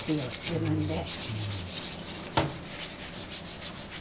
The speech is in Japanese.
自分で。